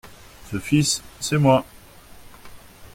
Ce fils, c’est moi.